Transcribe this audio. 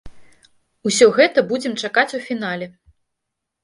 Усё гэта будзем чакаць у фінале.